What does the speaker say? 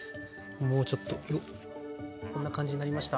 もうちょっとよっこんな感じになりました。